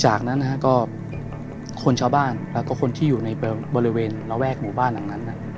จากนั้นก็คนชาวบ้านแล้วก็คนที่อยู่ในบริเวณระแวกหมู่บ้านหลังนั้น